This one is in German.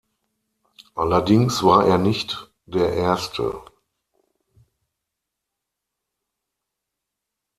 Allerdings war er nicht der Erste.